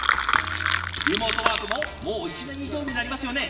リモートワークももう１年以上になりますよね。